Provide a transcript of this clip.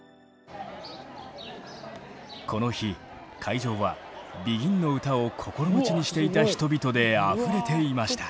この日会場はＢＥＧＩＮの歌を心待ちにしていた人々であふれていました。